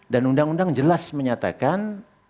dan undang undang jelas menyatakan